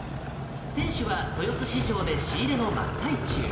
店主は豊洲市場で仕入れの真っ最中。